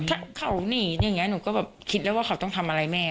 ถ้าเขาหนีอย่างนี้หนูก็แบบคิดแล้วว่าเขาต้องทำอะไรแม่